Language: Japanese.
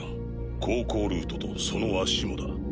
航行ルートとその足もだ。